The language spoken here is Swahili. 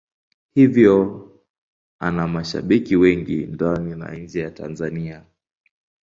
Hivyo ana mashabiki wengi ndani na nje ya Tanzania.